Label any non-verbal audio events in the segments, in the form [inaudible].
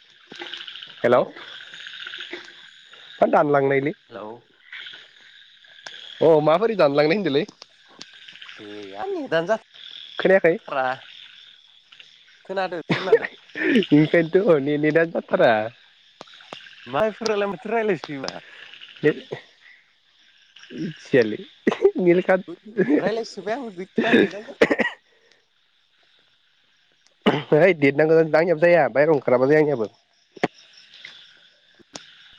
[inaudible] हेल' hello [unintelligible] hello [unintelligible] अ माबोरै दानलांनाय होनदोंलै? दान जा खोनायाखै? खोनादो खोनादो। बेखायनोथ' नेटआनो जाथारा। [unintelligible] [unintelligible] रायलायसोबा गैथारा नेटआनो जाथारा। ओइ नेत नांगौ आंनियाबो जाया बाहेराव ओंखाराबा जाया आंनियाबो। [inaudible]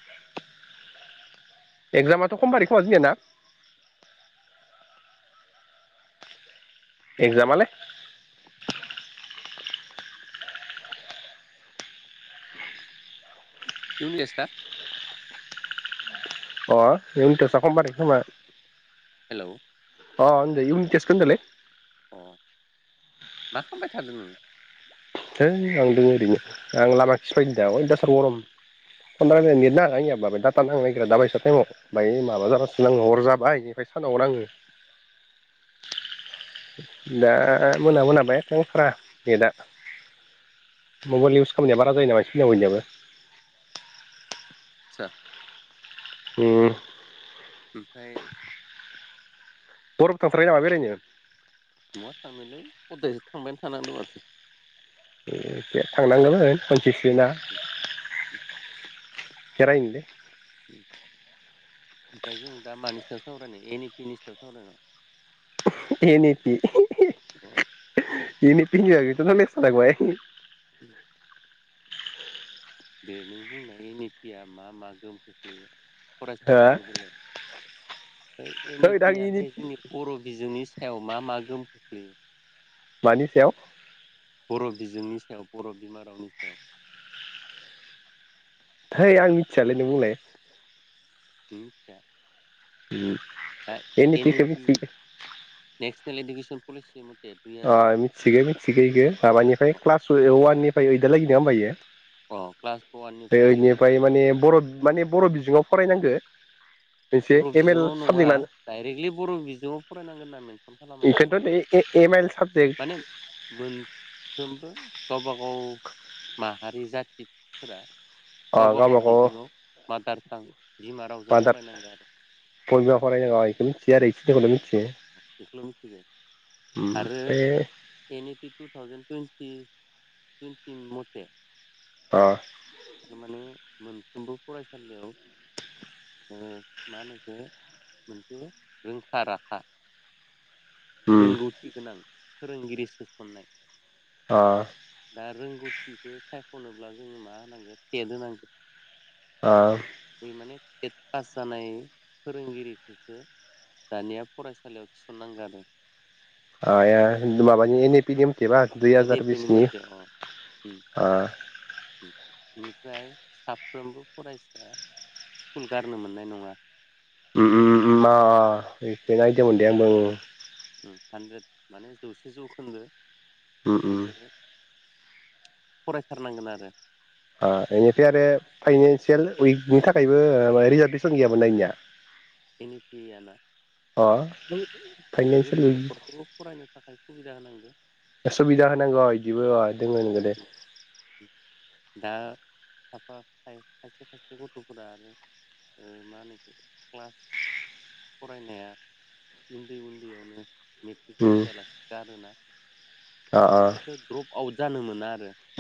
एगजामाथ' खमबारै खोमा जोंनिया ना? एक्जामालै [unintelligible] [unintelligible] हेलौ अ इउनि टेस्ट होनदोंनलै। अ मा खालामबाय थादों नों? है आं दों ओरैनो आं लामाखैसो फैयदों दा अयथासार गरम। फन उम रायलायनो नेट नाङाना ओयाव होमबाबो डाटा नांनो नागिरा दाबायसा टाइमाव बाय माबा जाबासो नाङो हर जाबाय इनिफ्राय सानाव नाङो दा मोना मोनाबाय नांथारा गेटआ मबेल इउस खालामनाया बारा जायो नामा [unintelligible] दा उम। ओमफाय बरबो थांथाराखै नामा बेरायनो। मावा थांनोलै खदायसो थांबायानो थानांदों माथो। एखे थांनांगौमोन खनसेसोना। [inaudible] खेरायनिलै ओमफाय जों दा मानि सायाव सावरायनो एनिथिनि सायाव सावरायनो। एन इ पि अ [unintelligible] ओम दे नों बुंनाय एन इ पिया मा-मा गोहोम खोख्लैयो। हो फरायसाफोरनि बेलायाव ओ एन इ हैद आं पि एन आलै जोंनि बर' बिजोंनि सायाव मा-मा गोहोम खोख्लैयो। मानि सायाव? बर' बिजोंनि सायाव बर' बिमा रावनि सायाव। थोय आं मिथियालै नों बुंलाय। नों मिथिया। उम। ओ N E P national education जों पलिसि दुइ ओ हाजार मिथिगो मिथिगो इखो माबानिफ्राय क्लास अवाइज अवाननि फ्राय ओइदालागै नोङा होनबा इयो। अ क्लास ओ वाननिफ्राय इनिफ्राय दालागै माने बर' माने बर' बिजोङाव फरायनांगो। मोनसे बर' एम एल बिजोङाव नङा साबजेक्ट लानो डाइरेक्टलि बर' बिजोङाव फरायनांगोन होन्ना मेनसन खालामाखै। एमेल माने मोनफ्रोमबो गावबागाव माहारि जाथिफोरा गावबा गाव बिजोङाव मादार टां बिमा रावजों मादार फरायनांगो आरो। यो ओरै इखिनिखौनो मिथि बेखौल' मिथिगो उम आरो ओमफ्राय N E P two thousand twenty टुइन्टिं मथे अ थारमाने मोनफ्रोमबो फरायसालियाव ओ मा होनो इखो मोनसे रोंखा राखा उम रोंगौथि गोनां फोरोंगिरि सोसननाय ओ दा रोंगौथिखो साय खनोब्ला जोङो मा होनांगो [unintelligible] होनांगो ओ बे माने इट पास जानाय फोरोंगिरिखोसो दानिया फरायसालियाव थिसननांगो आरो आ आ माबानि [unintelligible] दुइ एन इ हाजार पि नि बिसनि मथे अ उम ओ ओमफ्राय साफ्रोमबो फरायसाया स्कुल गारनो मोननाय नङा। उम उम मा ऐ [unintelligible] उम हानद्रेद माने जौसे जौखोनदो आं उम इखोनो फरायथारनांगोन आरो ओ इनिफ्राय आरो फाइनानसियेल उइकनि थाखायबो ओ रिजारभेसन गैयामोन नाय इनिया इनि गैया ना ओ माने गोरिब न'खरखौ फरायनो थाखाय खुबिदा होनांग गो सुबिदा होनांगौ इदिबो दोङो नगो दे दा खायफा खायसे खायसे गथ'फोरानो ओ मा होनो इखो क्लास फरायनाया उन्दै उन्दैयावनो मेट्रिक पास उम जायालासे गारोना मानि इखो द्रप आ जानो मोन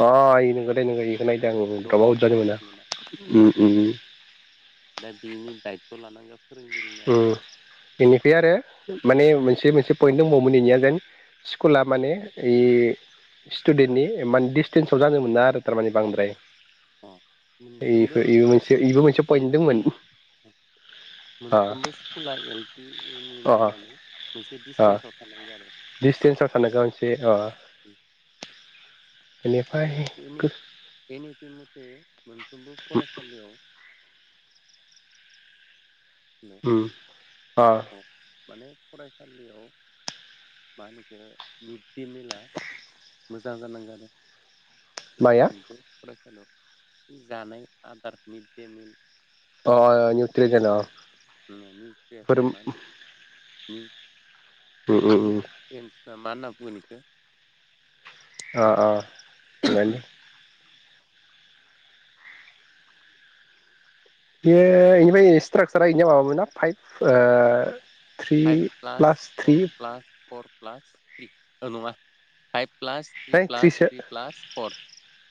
आ इ नोंगो दे नोंगो इखौ नायदो आङो द्रप आउट जानो मोना उम उम दा बिनि दायथ लानांगोन। फोरोंगिरिना उम बेनिफ्राय आरो माने मोनसे मोनसे पइन्ट दंबावोमोन बेनिया जेन स्कुला माने इ स्टुडेन्टनि इमान डिसटेन्साव जानो मोना आरो तारमाने बांद्राय अ ओइ मोनफ्रोमबो बे मोनसे इबो मोनसे एल पइन्ट पि दोंमोन। मोनफ्रोमबो स्कुला एल पि एम इ अ नायनानै मोनसे अ डिसटेन्सआव थानांगो आरो डिसटेन्सआव थानांगौ मोनसे अ उम बेनिफ्राय आरो [unintelligible] मथे मोन फ्रोमबो फरायसालियाव हेल उम अ औ माने फराय आ खालियाव मानोखो मिडडे मिला मोजां जानांगौ आरो माया [unintelligible] हेल जानाय आदार मिड दे मिल अ निउट्रिजन अ मानि [unintelligible] फोर उम मा होनो? निउ उम उम उम माना बुंगोनइखौ अ अ मानो बेयो बेनिफ्राय स्ट्राकसारा बेनिया माबा मोनोना फाइभ ओ three five plus three four plus four plus three औ नङा फाइभ प्लास थ्रि ओमफ्राय प्ला थ्रिसो थ्रि प्लास फर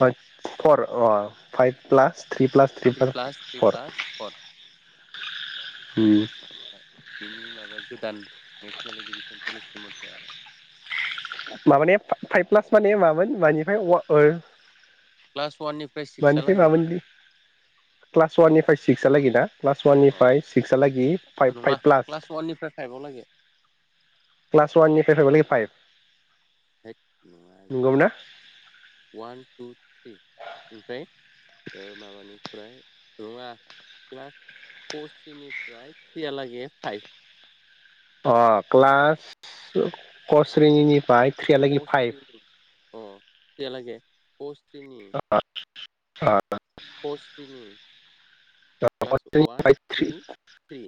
ओ फर अ five plus three plus three plus three four plus four उम बिनि माबाया गोदान नेसनेल इडुकेसन पलिसि [unintelligible] आरो माबाने फाइभ प्लास माने मामोन मानिफ्राय? क्लास वाननिफ्राय मानिफ्राय सिक्सहालागै मामोन क्लास वाननिफ्राय? सिक्सआलागैना? क्लास वाननिफ्राय सिक्सलागि अ फाइभ नङा फाइभ प्लास क्लास वाननिफ्राय फाइभआव लागै क्लास वाननि [unintelligible] फाइभ हैद नङा इदि नंगौमोन ना वान टु थ्रि इमफ्राय ओ माबानि ओमफ्राय नङा क्लास फर थ्रिनिफ्राय थ्रियालागै फाइभ अ क्लास कस्रेनिनिफ्राय पस थ्रि उ थ्रियालागे थ्रिनि आ क स्रेनि क्लास वान स्रेनिफ्राय टु थ्रि थ्रि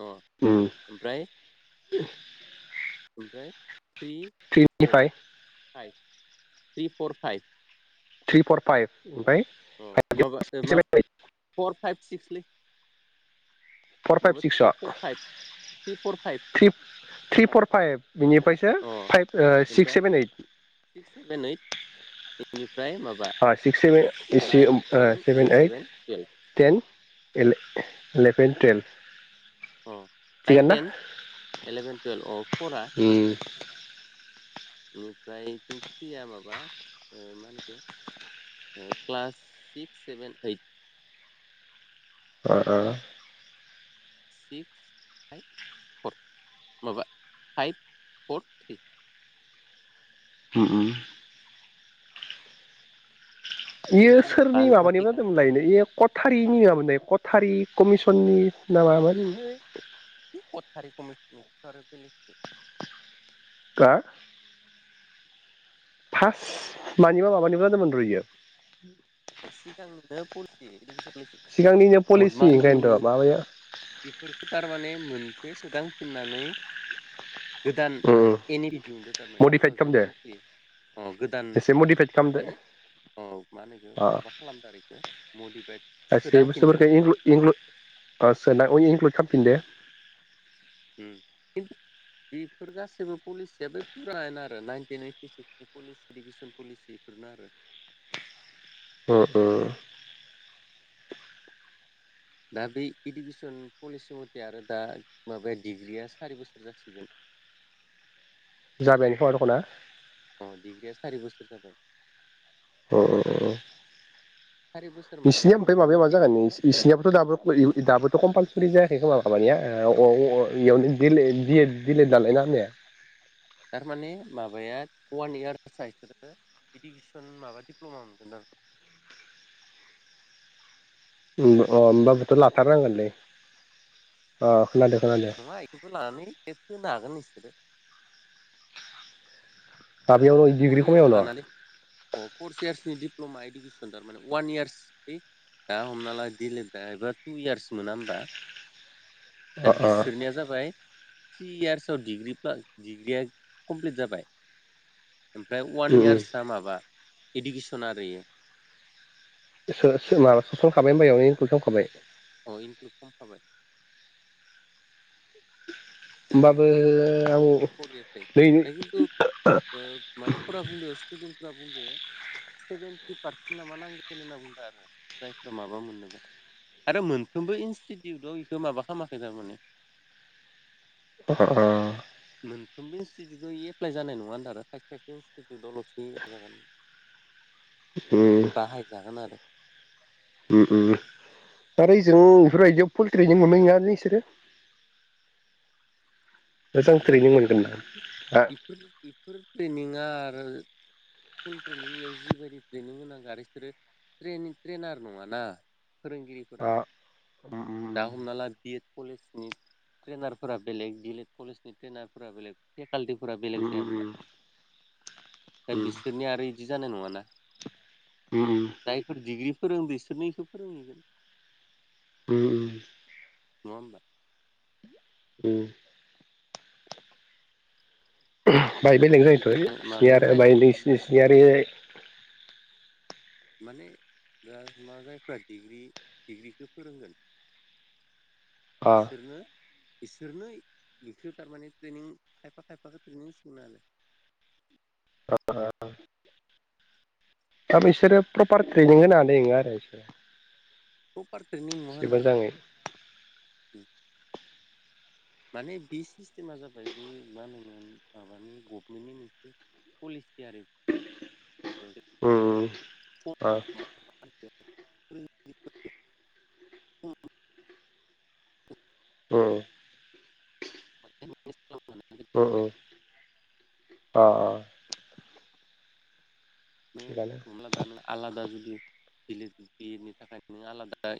न ओमफ्राय ओमफ्राय थ्रि फर थ्रिनिफ्राय five. Three four five. Three four five ओमफ्राय। अ माबा मा फाइभ फर फाइभ सिक्स लै। फर फाइभ मामोन थ्रि सिक्सआ four five three four five. Three three four five. बिनिफ्रायसो अ फाइभ ओ सिक्स ओमफ्राय सेभेन ओइट। इनिफ। अ six seven ten seven eight eleven twelve ten. एले इलेभेन टुवेलभ। अ नाइन टेन इलेभेन टुवेल्भ अ फरा। इनिफ्राय आथिं थ्रिया माबा ओ मा होनो इखो क्लास सिक्स सेभेन ओइट। ओ-ओ। बेनिफ्राय सिक्स फाइभ फर माबा फाइभ फर थ्रि। ओम ओम। नि इयो मा होनो सोरनि बाल माबानि फाथिखा जादोंमोनलायनो आरो कट। थारिनि होआ मानो कथारि कमिसननि नामा मोनलै। थि कथारि कमिसननि थ आरो बेलेग। दा। फास्ट मानिबा माबानिबा होनदोमोनर इयो। सिगांनिनो पलिसि इडुकेसन मिस सिगांनिनो पलिसि महात्मा गान्धीनि ओंखायनोथ' माबाया बेफोरफोरखो थारमाने मोन खो सोदांफिननानै। गोदान एन ए पि दिहुनदों टारमाने टु मडिफाइद थावजेेन खालामदो टुइन्टि अ गोदान एसे मडिफाइद खालामदो माने अ मा होनो इखो। खालामदो आरो इखो मडिफाइट गासै सोदांफिनदो। बुस्थुफोरखौ इनक्लुद खामफिनदो। ओम किनटु बेफोर गासैबो पलिसिया बे फुरायानो आरो नाइनटिन ओइटि सिक्सनि पलिसि इडुकेसन पलिसि बेफोरनो आरो। ओ ओ। दा बै इडुकेसन पलिसि मथे आरो दा माबाया डिग्रिया सारि बोसोर जासिगोन। जाबायानो खोमा दखन ना। अ डिग्रिया सारि बोसोर जाबाय। अ - अ अ। सारि बोसोर माने इसिनिया ओमफ्राय माबाया ओरैनो माबा थिन जागोन इसिनिाबोथ दबो दाबोथ कमपाल। सुरि जायाखै खोमा मिबानिया अ अ इया। थारमाने माबाया वान इयारसा इसोरो इडुकेसन माबा दिडप्ल'मा मोनगोन ओम नंगौ। अ होमबाबोथ' खोनादों लाथारनांगोनलै। अ। खोनादों खोनादों नङा इफोरखौ लानानै टेट होनो हागोन नों सोरो। माबायावनो माबाखौ फर डिग्रि इयार्स खमायावनो लानानै अ फर इयार्सनि डि दिप्ल'मा इडुकेसन थारमाने अवान इयार्स दि दा हमना ला दि एल एड लानायबा टु इयार्स मोना होमबा अ दा अ बिसोरनिया जाबाय थ्रि इयार्सआव डिग्रि पास डिग्रिया कमप्लिट जाबाय ओमफ्राय अवान उम उम इयारसआ माबा इडुकेसना आरो इयो माबा [unintelligible] अ इनक्लुड खालामखाबाय दा होमबाबो बेखौ आं माबानानो फर इयार जायो नै दा खिन्थु माबाफोरा बुंदों स्टुडेन्ट बुंदों सेभेनटि पारसेन्ट ना मा नांगोन होनना बुंदों आरो जायफ्रा माबा मोननोबा आरो मोनफ्रोमबो इनस्टिटिउटाव इखौ माबा खालामाखै थारमाने। ओ ओ मोनफ्रोमबो इनस्टिटिउटआव एप्लाइ जानाय नङा होनदों आरो खायसे खायसे इनस्टिटिउटआवलसो एप्लाइ जागोन। उम बाहाय जागोन आरो उम उम दा ओरै जों इफोरबायदियाव पलट्रिजों मोननाय नङालै इसोरो नङा इफोर इफोर बेफोर ट्रेनिंआ आरो फुल ट्रेनिंयाव जिबायदि ट्रेनिं होनांगौ आरो बिसोरो ट्रेइनार नङाना। फोरोंगिरिफोरा आ अ उम दा हमना ला बि एड कलेज ट्रेइनारफोरा बेलेग डि एल एड कलेज नि ट्रेइनारफोरा बेलेग फेकाल्टिफोरा बेलेग उम जाया होनबा दा उम बिसोरनि आरो इदि जानाय नङाना उम उम दायोफोर डिग्रि फोरोंदों इसोरनो इखौ फोरोंहैगोन। उम उम नङा होनबा? उम [inaudible] बेहाय बेलेग जायोथ' एखे ऐ माबायानो सियार जाहैफिनगोन बायदिसिनि सिङारि माने दा मा जायफ्रा डिग्रि डिग्रिखौ फोरोंगोन अ इसोरनो इसोरनो बेखौ थारमाने ट्रेइनिं खायफा खायफाखौ ट्रेइनिं सिखायना होगोन। ओ दाबिसोरो प्रपार ट्रेइनिं होनो हानाय नङा आरो बिसोरो औ [unintelligible] महा होनो एसे होनो मोजाङै उ माने बिस सिस्टेमा जाबाय बे मा होनो माबानि गबमेननि मोनसे पलिस उम अ [unintelligible] [unintelligible] ओं [unintelligible] उम उम अ थिगानो [unintelligible] आलादा जुद [unintelligible] थाखाय नों आलादा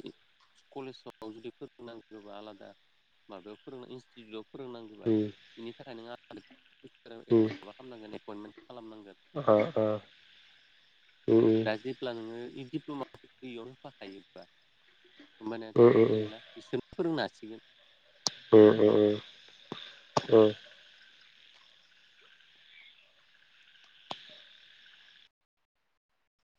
कलेजाव जुदि फोरोंनांगौबा आलादा माबायाव फोरोंनो इनस्टिटिउटआव फोरोंनांगोबा उम इनि थाखायनो आ [unintelligible] [unintelligible] खामनांगोन एद [unintelligible] अह अ उम दा उम जेब्ला नोङो ओ इ दिप्ल'माखौ इयावनो होफाखायोबा होमबानिया उम टेनसन गैला इसोर फोरोंनो हासिगोन। उम उम उम उम